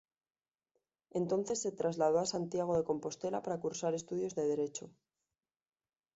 Entonces se trasladó a Santiago de Compostela para cursar estudios de Derecho.